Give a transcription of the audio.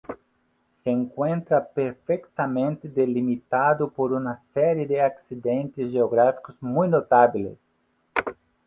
Se encuentra perfectamente delimitado por una serie de accidentes geográficos muy notables.